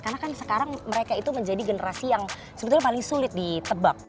karena kan sekarang mereka itu menjadi generasi yang sebetulnya paling sulit ditebak